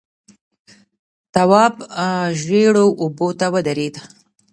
تواب ژېړو اوبو ته ودرېد.